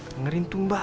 dengerin tuh mbak